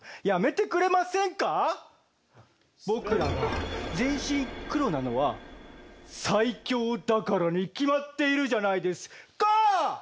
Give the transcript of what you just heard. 僕らが全身黒なのは最強だからに決まっているじゃないですカァ！